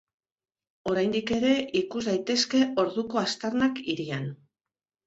Oraindik ere ikus daitezke orduko aztarnak hirian.